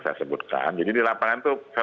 saya sebutkan jadi di lapangan itu